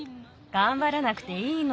がんばらなくていいの。